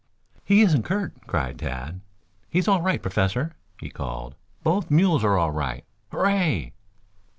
"He isn't hurt," cried Tad. "He is all right, Professor," he called. "Both mules are all right. Hooray!"